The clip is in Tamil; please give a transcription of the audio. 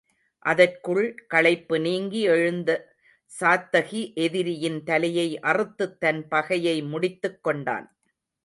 அதற்குள் களைப்பு நீங்கி எழுந்த சாத்தகி எதிரியின் தலையை அறுத்துத் தன் பகையை முடித்துக் கொண்டான்.